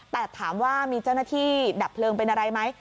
แต่ถามว่ามีเจ้าหน้าที่ดับเพลิงเป็นอะไรไหม